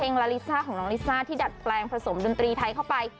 ลาลิซ่าของน้องลิซ่าที่ดัดแปลงผสมดนตรีไทยเข้าไป